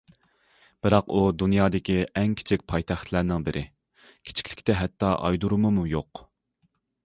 بىراق ئۇ دۇنيادىكى ئەڭ كىچىك پايتەختلەرنىڭ بىرى، كىچىكلىكتە ھەتتا ئايرودۇرۇمىمۇ يوق.